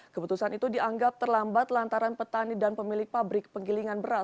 keputusan itu dianggap terlambat lantaran petani dan pemilik pabrik penggilingan beras